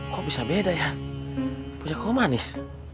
kok bisa beda ya punya kaum manis